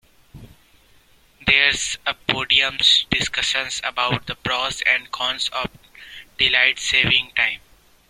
There's a podium discussion about the pros and cons of daylight saving time.